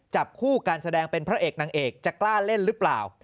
จับคู่การแสดงเป็นพระเอกนางเอกจะกล้าเล่นหรือเปล่า